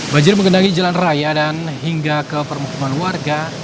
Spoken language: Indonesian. banjir mengendangi jalan raya dan hingga ke permukiman warga